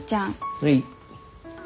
はい？